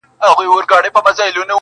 دلته لا وار کړي پر کمزوري زورور لاسونه